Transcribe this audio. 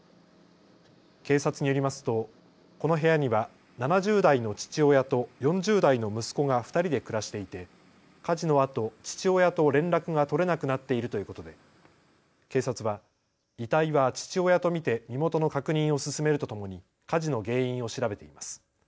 警察によりますとこの部屋には７０代の父親と４０代の息子が２人で暮らしていて火事のあと父親と連絡が取れなくなっているということで警察は遺体は父親と見て身元の確認を進めるとともに火事の原因を調べています。